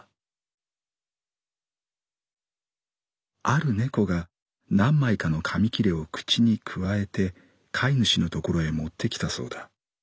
「ある猫が何枚かの紙きれを口にくわえて飼い主のところへ持ってきたそうだ。